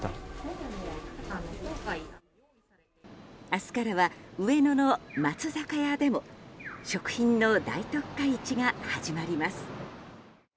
明日からは上野の松坂屋でも食品の大特価市が始まります。